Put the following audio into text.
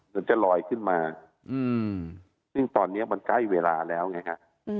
มันจะลอยขึ้นมาซึ่งตอนนี้มันใกล้เวลาแล้วไงฮะ